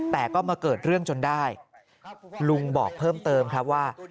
แต่ก็มาเกิดเรื่องจนได้ลุงบอกเพิ่มเติมครับว่า